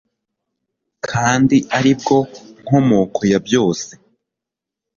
kandi ari bwo nkomoko ya byose